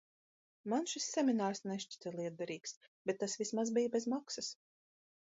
Man šis seminārs nešķita lietderīgs, bet tas vismaz bija bez maksas.